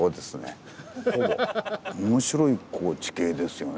面白い地形ですよね